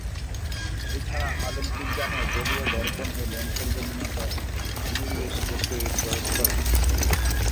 এছাড়া আলোক বিজ্ঞানে গোলীয় দর্পণ ও লেন্সের গভীরতা নির্দেশ করতেও এর প্রয়োগ করা।